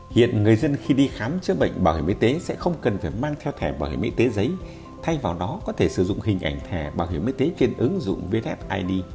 hiện người dân khi đi khám chữa bệnh bảo hiểm y tế sẽ không cần phải mang theo thẻ bảo hiểm y tế giấy thay vào đó có thể sử dụng hình ảnh thẻ bảo hiểm y tế trên ứng dụng vssid